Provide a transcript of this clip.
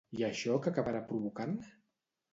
I això que acabarà provocant?